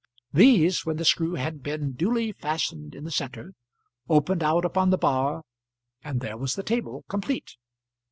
These, when the screw had been duly fastened in the centre, opened out upon the bar, and there was the table complete.